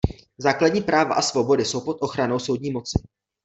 Základní práva a svobody jsou pod ochranou soudní moci.